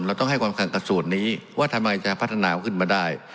ต้องให้ความสำคัญกับส่วนนี้ว่าทำไมจะพัฒนาขึ้นมาได้